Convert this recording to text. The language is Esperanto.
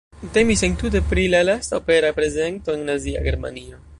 Temis entute pri la lasta opera prezento en Nazia Germanio.